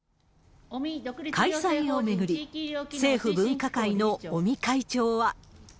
開催を巡り、政府分科会の尾身会長は。